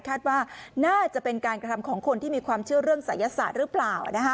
คาดว่าน่าจะเป็นการกระทำของคนที่มีความเชื่อเรื่องศัยศาสตร์หรือเปล่า